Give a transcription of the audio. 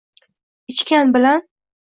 Ichgan bilan